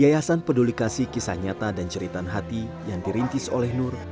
yayasan peduli kasih kisah nyata dan jeritan hati yang dirintis oleh nur